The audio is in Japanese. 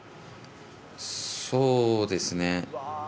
そうですね。